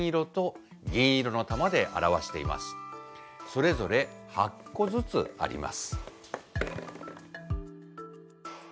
それぞれ８個ずつあります。